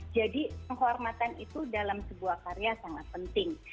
jadi penghormatan itu dalam sebuah karya sangat penting